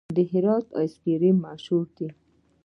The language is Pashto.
د هرات آیس کریم مشهور دی؟